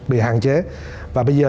bị hạn chế và bây giờ